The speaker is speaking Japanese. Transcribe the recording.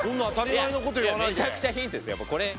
めちゃくちゃヒントですよ。